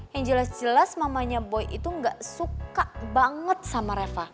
yang jelas jelas mamanya boy itu gak suka banget sama reva